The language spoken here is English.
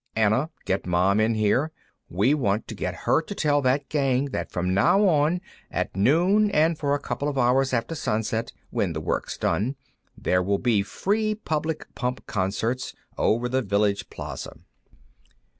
Anna, get Mom in here. We want to get her to tell that gang that from now on, at noon and for a couple of hours after sunset, when the work's done, there will be free public pump concerts, over the village plaza."